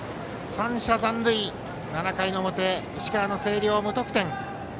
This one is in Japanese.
３者残塁、７回の表石川の星稜、無得点。